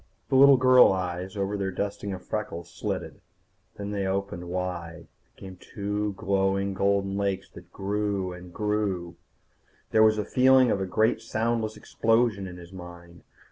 The little girl eyes over their dusting of freckles slitted. Then they opened wide, became two glowing golden lakes that grew, and grew There was the feeling of a great soundless explosion in his mind.